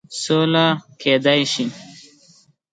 سوله کېدلای نه سي.